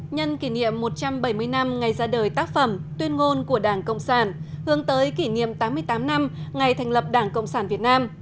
nhân kỷ niệm một trăm bảy mươi năm ngày ra đời tác phẩm tuyên ngôn của đảng cộng sản hướng tới kỷ niệm tám mươi tám năm ngày thành lập đảng cộng sản việt nam